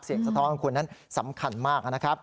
สะท้อนของคุณนั้นสำคัญมากนะครับ